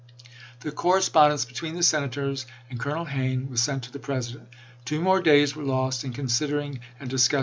The correspondence between the Senators and Colonel Hayne was sent to the President. Two more days were lost in considering and discuss i86i.